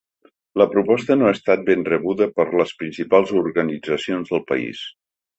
La proposta no ha estat ben rebuda per les principals organitzacions del país.